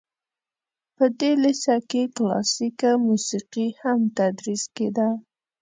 په دې لیسه کې کلاسیکه موسیقي هم تدریس کیده.